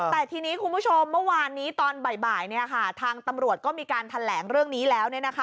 แต่ทีนี้คุณผู้ชมเมื่อวานนี้ตอนบ่ายทางตำรวจก็มีการแถลงเรื่องนี้แล้ว